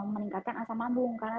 meningkatkan asam lambung karena